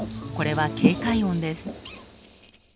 これは警戒音です。